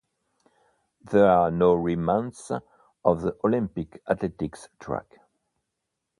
There are no remnants of the Olympic athletics track.